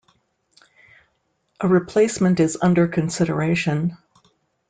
A replacement is under consideration.